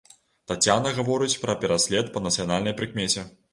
Таццяна гаворыць пра пераслед па нацыянальнай прыкмеце.